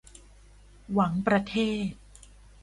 หวังประเทศ